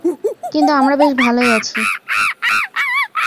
কিন্তু আমরা বেশ ভালোই আছি, বায।